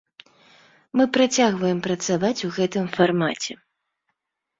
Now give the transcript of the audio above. Мы працягваем працаваць у гэтым фармаце.